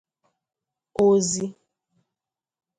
ozi